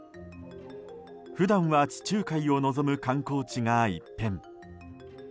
普段は地中海を望む観光地が一変。